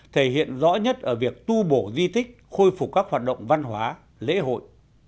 thể hiện rõ nhất ở việc tu bổ di tích khôi phục các hoạt động văn hóa lễ hội